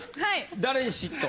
誰に嫉妬？